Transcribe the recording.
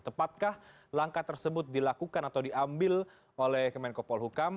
tepatkah langkah tersebut dilakukan atau diambil oleh kemenko polhukam